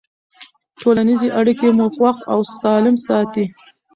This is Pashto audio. ټولنیزې اړیکې مو خوښ او سالم ساتي.